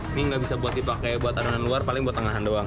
ini nggak bisa dipakai buat adonan luar paling buat tengahan doang